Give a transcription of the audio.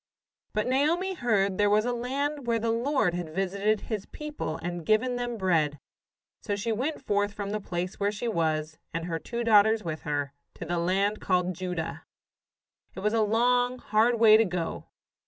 ] But Naomi heard there was a land where the Lord had visited His people and given them bread; so she went forth from the place where she was, and her two daughters with her, to the land called Judah. It was a long, hard way to go.